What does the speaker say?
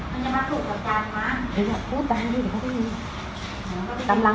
มันจะมาถูกกับจานหรออย่าพูดตามดิเดี๋ยวเขาจะยิน